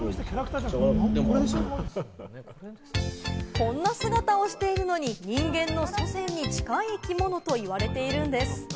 こんな姿をしているのに、人間の祖先に近い生き物と言われているんです。